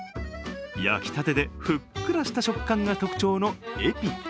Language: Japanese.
焼きたてでふっくらした食感が特徴のエピ。